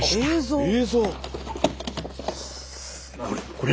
これ。